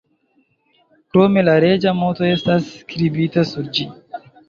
Krome la reĝa moto estas skribita sur ĝi.